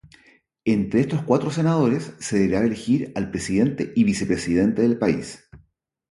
Entre estos cuatro senadores se deberá elegir al presidente y vicepresidente del país.